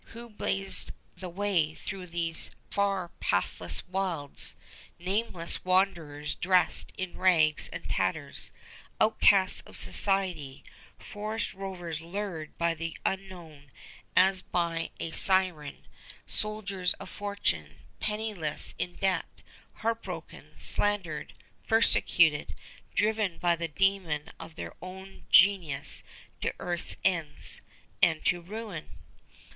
Who blazed the way through these far pathless wilds? Nameless wanderers dressed in rags and tatters, outcasts of society, forest rovers lured by the Unknown as by a siren, soldiers of fortune, penniless, in debt, heartbroken, slandered, persecuted, driven by the demon of their own genius to earth's ends, and to ruin!